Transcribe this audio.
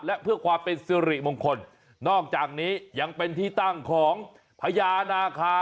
และเพื่อความเป็นสิริมงคลนอกจากนี้ยังเป็นที่ตั้งของพญานาคา